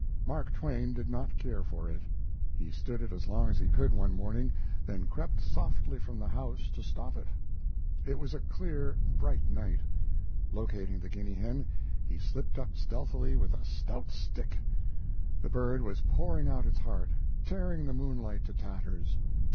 Mark Twain did not care for it. He stood it as long as he could one morning, then crept softly from the house to stop it. It was a clear, bright night; locating the guinea hen, he slipped up stealthily with a stout stick. The bird was pouring out its heart, tearing the moonlight to tatters.